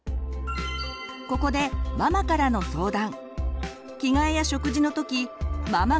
ここでママからの相談。